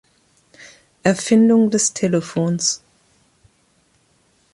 Erfindung des Telefons